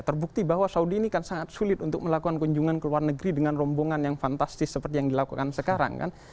terbukti bahwa saudi ini kan sangat sulit untuk melakukan kunjungan ke luar negeri dengan rombongan yang fantastis seperti yang dilakukan sekarang kan